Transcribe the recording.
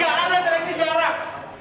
gak ada seleksi jarak